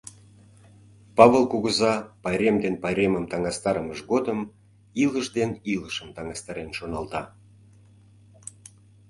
Павыл кугыза пайрем ден пайремым таҥастарымыж годым илыш ден илышым таҥастарен шоналта.